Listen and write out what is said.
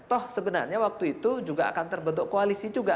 toh sebenarnya waktu itu juga akan terbentuk koalisi juga